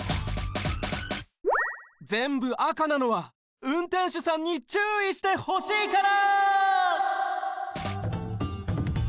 ぜんぶ赤なのはうんてんしゅさんにちゅういしてほしいから！